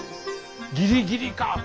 ギリギリか！